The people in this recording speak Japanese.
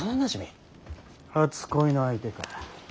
初恋の相手か。